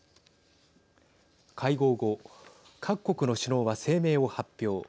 会合後各国の首脳は声明を発表。